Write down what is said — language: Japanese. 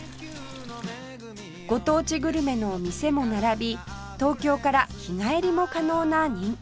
ご当地グルメの店も並び東京から日帰りも可能な人気スポットです